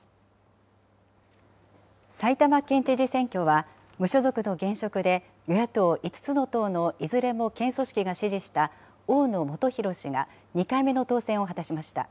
埼玉県知事選挙は、無所属の現職で与野党５つの党のいずれも県組織が支持した大野元裕氏が２回目の当選を果たしました。